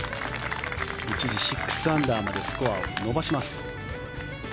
一時、６アンダーまでスコアを伸ばします。